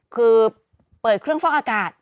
คือเปิดเครื่องฟอกอากาศ